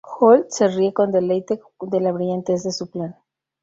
Uhl se ríe con deleite de la brillantez de su plan.